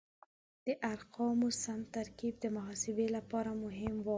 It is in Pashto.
د ارقامو سم ترکیب د محاسبې لپاره مهم و.